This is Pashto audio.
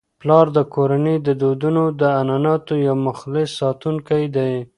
پلار د کورنی د دودونو او عنعناتو یو مخلص ساتونکی دی.